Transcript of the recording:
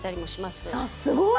すごい！